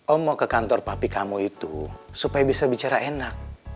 omo ke kantor papi kamu itu supaya bisa bicara enak